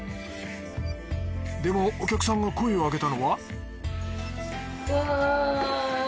でもお客さんが声をあげたのはうわぁ。